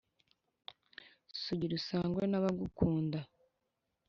sugira usangwe n'abagukunda.